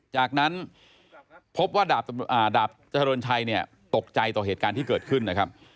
จากนั้นพบว่าดาบเจริญชัยเนี่ยตกใจต่อเหตุการณ์ที่เกิดขึ้นนะครับ